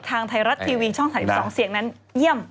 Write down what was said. ทางไทยรัฐทีวีช่อง๓๒เสียงนั้นเยี่ยม